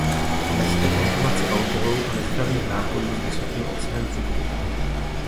Omezte konzumaci alkoholu a nezdravých nápojů s vysokým obsahem cukru.